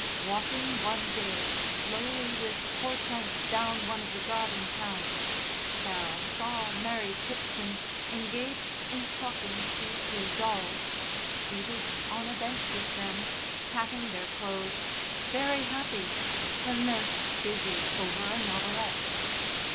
Walking one day slowly with Hortense down one of the garden paths, Sarah saw Mary Kitson engaged in talking to two dolls, seated on a bench with them, patting their clothes, very happy, her nurse busy over a novelette.